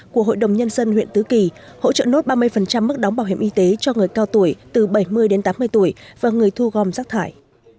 của hội đồng nhân dân huyện tứ kỳ hỗ trợ nốt ba mươi mức đóng bảo hiểm y tế cho người cao tuổi từ bảy mươi đến tám mươi tuổi và người thu gom rác thải